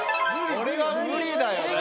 これは無理だよ。